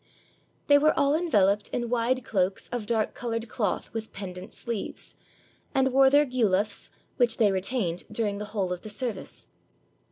They were all enveloped in wide cloaks of dark colored cloth with pendent sleeves; and wore their geulafs, which they retained during the whole of the service.